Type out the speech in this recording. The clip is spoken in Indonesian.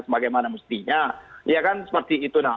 sebagai mana mestinya